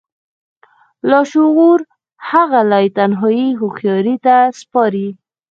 لاشعور هغه لايتناهي هوښياري ته سپاري.